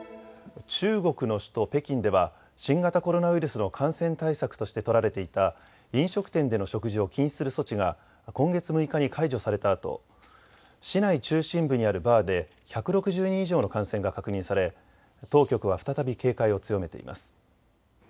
中国の首都、北京では新型コロナウイルスの感染対策として取られていた飲食店での食事を禁止する措置が今月６日に解除されたあと市内中心部にあるバーで１６０人以上の感染が確認され当局は再び警戒を強めています。